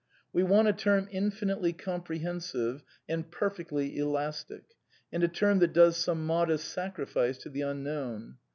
We wanya term infinitely comprehensive, and perfectly elastic ; arfd a term that does some modest sacri fice to the Unknown.